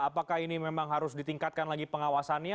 apakah ini memang harus ditingkatkan lagi pengawasannya